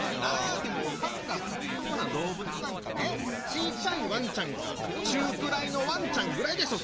でもオカンが好きそうな動物なんかねちいちゃいワンちゃんか中くらいのワンちゃんぐらいでしょ